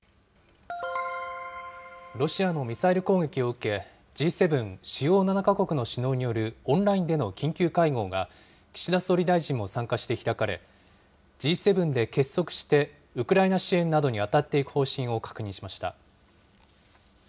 ロシアのミサイル攻撃を受け、Ｇ７・主要７か国の首脳によるオンラインでの緊急会合が、岸田総理大臣も参加して開かれ、Ｇ７で結束してウクライナ支援などに当たっていく方針を確認しました。